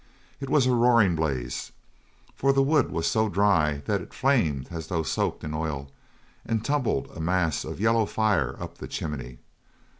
It was a roaring blaze, for the wood was so dry that it flamed as though soaked in oil, and tumbled a mass of yellow fire up the chimney.